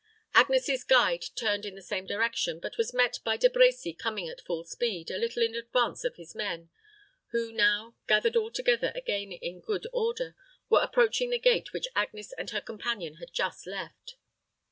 Agnes's guide turned in the same direction, but was met by De Brecy coming at full speed, a little in advance of his men, who now, gathered all together again in good order, were approaching the gate which Agnes and her companion had just left.